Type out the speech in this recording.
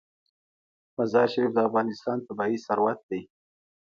مزارشریف د افغانستان طبعي ثروت دی.